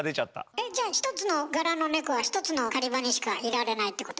えっじゃあ１つの柄の猫は１つの狩り場にしかいられないってこと？